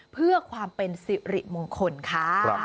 เพื่อความเป็นสิริมงคลค่ะ